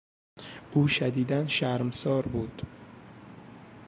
او شدیدا شرمسار بود.